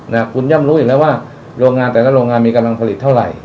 นะคุณย่อมรู้อีกแล้วว่าโรงงานแต่ละโรงงานมีกำลังผลิตเท่าไหร่